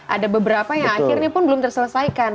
ada beberapa yang akhirnya pun belum terselesaikan